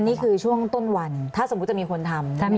นี่คือช่วงต้นวันถ้าสมมุติจะมีคนทำ